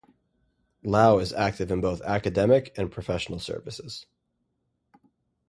Lau is active in both academic and professional services.